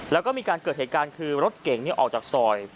แล้วก็มีการเกิดเหตุการณ์คือรถเก่งออกจากซอย